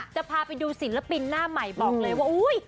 จะพาไปดูศิลปินหน้าใหม่บอกเลยว่าอุ๊ย